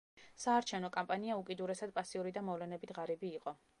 საარჩევნო კამპანია უკიდურესად პასიური და მოვლენებით ღარიბი იყო.